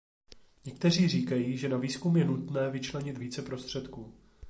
Někteří říkají, že na výzkum je nutné vyčlenit více prostředků.